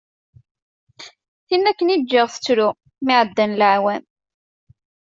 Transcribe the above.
Tinna akken i ğğiɣ tettru, mi ɛeddan laɛwam.